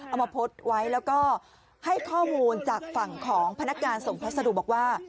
เอามาโพสต์ไว้แล้วก็ให้ข้อมูลจากฝั่งของพนักงานส่งพัสดุบอกว่า